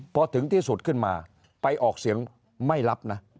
พอถึงที่สุดขึ้นมาไปออกเสียงไม่รับนะ